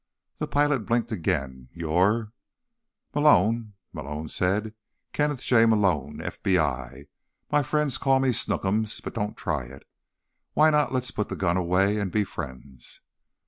The pilot blinked again. "You're—" "Malone," Malone said. "Kenneth J. Malone, FBI. My friends call me Snookums, but don't try it. Why not let's put the gun away and be friends?"